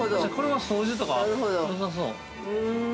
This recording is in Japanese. ◆これは掃除とか、よさそう。